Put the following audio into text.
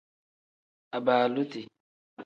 Abaaluti.